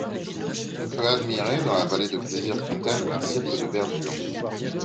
On peut admirer, dans la vallée de Plaisir-Fontaine, un cirque de verdure.